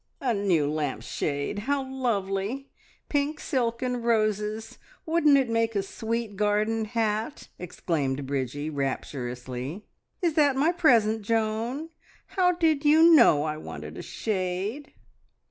"A new lamp shade! How lovely! Pink silk and roses. Wouldn't it make a sweet garden hat?" exclaimed Bridgie rapturously. "Is that my present, Joan? How did you know I wanted a shade?"